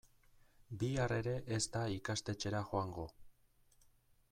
Bihar ere ez da ikastetxera joango.